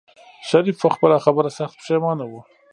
شريف په خپله خبره سخت پښېمانه و.